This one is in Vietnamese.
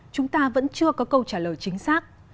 chúng ta vẫn chưa có câu trả lời chính xác